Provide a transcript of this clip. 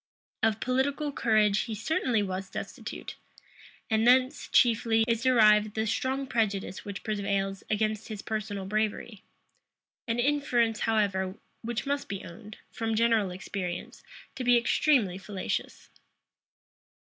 Of political courage he certainly was destitute; and thence, chiefly, is derived the strong prejudice which prevails against his personal bravery; an inference, however, which must be owned, from general experience, to be extremely fallacious.